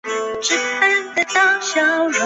以武则天和唐高宗李治合葬墓干陵出名。